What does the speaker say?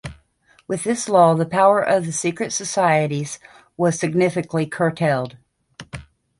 With this law, the power of the secret societies was significantly curtailed.